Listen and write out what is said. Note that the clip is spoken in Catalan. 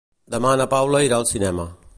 Demà na Paula irà al cinema.